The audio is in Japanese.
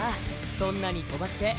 そんなに飛ばして。